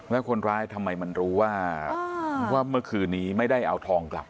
แล้วคนร้ายทำไมมันรู้ว่าเมื่อคืนนี้ไม่ได้เอาทองกลับ